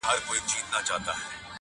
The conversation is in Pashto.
امتحان هر سړي پر ملا مات کړي-